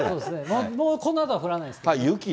もうこのあとは降らないです。